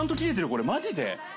これマジで？